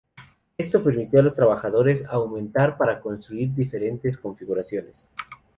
Esto permitió a los trabajadores "aumentar" para construir diferentes configuraciones.